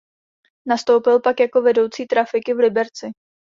Nastoupil pak jako vedoucí trafiky v Liberci.